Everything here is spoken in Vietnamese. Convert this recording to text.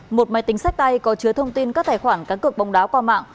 một máy tính sách tay có chứa thông tin các tài khoản cá cược bóng đá qua mạng